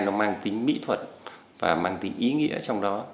nó mang tính mỹ thuật và mang tính ý nghĩa trong đó